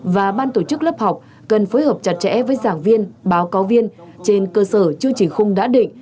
và ban tổ chức lớp học cần phối hợp chặt chẽ với giảng viên báo cáo viên trên cơ sở chương trình khung đã định